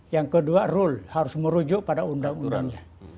yang kedua rule harus merujuk pada undang undangnya